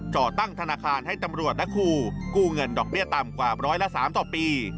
ต่อตั้งธนาคารให้ตำรวจและครูกู้เงินดอกเบี้ยต่ำกว่าร้อยละ๓ต่อปี